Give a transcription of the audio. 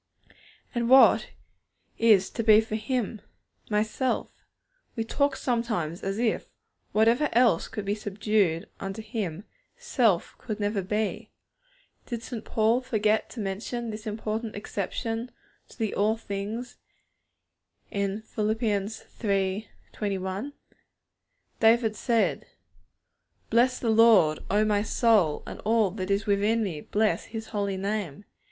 And what is to be for Him? My self. We talk sometimes as if, whatever else could be subdued unto Him, self could never be. Did St. Paul forget to mention this important exception to the 'all things' in Phil. iii. 21? David said: 'Bless the Lord, O my soul, and all that is within me, bless His Holy Name.'